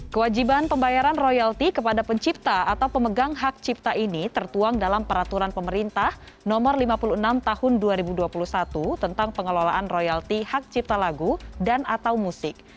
kewajiban pembayaran royalti kepada pencipta atau pemegang hak cipta ini tertuang dalam peraturan pemerintah nomor lima puluh enam tahun dua ribu dua puluh satu tentang pengelolaan royalti hak cipta lagu dan atau musik